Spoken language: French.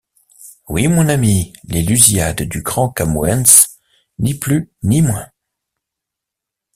Oui, mon ami, les Lusiades du grand Camoëns, ni plus ni moins!